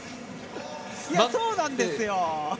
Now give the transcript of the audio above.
そうなんですよ！